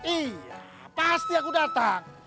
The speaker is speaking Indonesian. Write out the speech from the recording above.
iya pasti aku datang